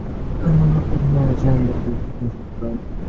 কাইমুল হক প্রথম আলোকে জামিন বাতিলের বিষয়টি নিশ্চিত করেন।